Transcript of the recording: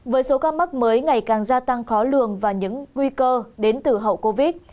với số ca mắc mới ngày càng gia tăng khó lường và những nguy cơ đến từ hậu covid